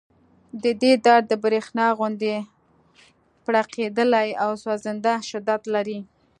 د دې درد د برېښنا غوندې پړقېدلی او سوځنده شدت لري